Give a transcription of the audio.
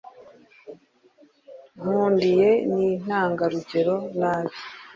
nkundiye ni intangarugero nabi